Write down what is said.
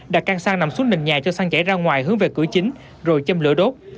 đặt can xăng nằm xuống nền nhà cho xăng chảy ra ngoài hướng về cửa chính rồi châm lửa đốt